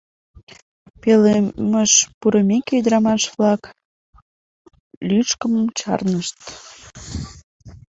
Пӧлемыш пурымеке, ӱдрамаш-влак лӱшкымым чарнышт.